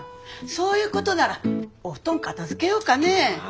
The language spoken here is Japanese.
そういうことならお布団片づけようかね。